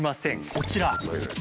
こちら。